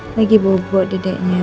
lagi bobot dedeknya ya